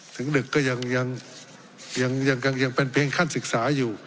ถึงดึกก็ยังยังยังยังยังยังเป็นเพียงขั้นศึกษาอยู่